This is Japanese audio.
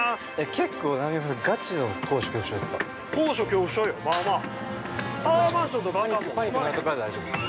◆結構、波岡さん、がちの高所恐怖症ですか。